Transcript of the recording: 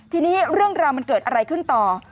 ทีนี้เรื่องราวมันเกิดอะไรขึ้นต่อ